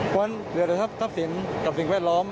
เพราะฉะนั้นเหลือแต่ทรัพย์สินกับสิ่งแวดล้อม